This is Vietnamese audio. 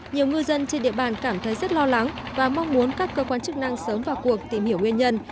nhiều ngư dân trên địa bàn cảm thấy rất lo lắng và mong muốn các cơ quan chức năng sớm vào cuộc tìm hiểu nguyên nhân